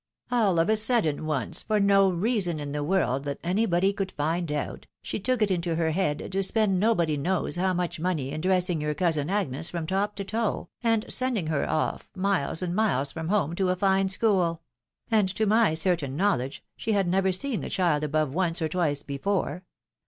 All of a sudden, once, for no reason in the world that anybody could find out, she took it into her head to spend nobody knows how much money in dressing your cousin Agnes from top to toe, and sending her off, miles and mUes from home, to a fine school. And to my certain knowledge, she had never seen the child above once or twice before.